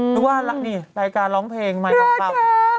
หรือว่านี่รายการร้องเพลงใหม่ร้องปั้ม